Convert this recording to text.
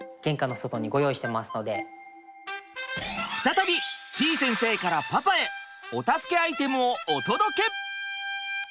再びてぃ先生からパパへお助けアイテムをお届け！